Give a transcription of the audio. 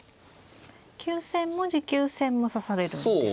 急戦も持久戦も指されるんですか。